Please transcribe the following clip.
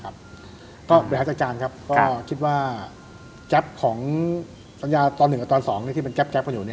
บริษัทจักรจารย์ก็คิดว่าแก๊ปของสัญญาตอน๑กับตอน๒ที่เป็นแก๊ปกันอยู่